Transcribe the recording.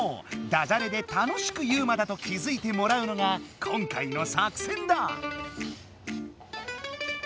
ダジャレで楽しくユウマだと気付いてもらうのが今回の作戦だ！